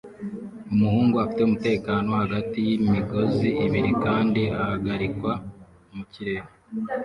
Umuhungu afite umutekano hagati yimigozi ibiri kandi ahagarikwa mukirere